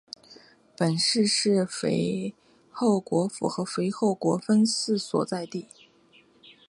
本市是肥后国府与肥后国分寺所在地。